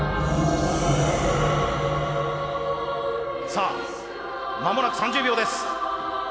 さあ間もなく３０秒です。